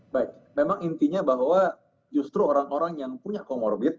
baik memang intinya bahwa justru orang orang yang punya comorbid